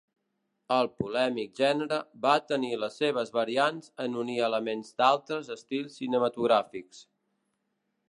El polèmic gènere va tenir les seves variants en unir elements d'altres estils cinematogràfics.